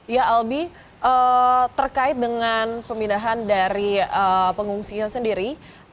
ya albi terkait dengan pemindahan dari pengungsinya sendiri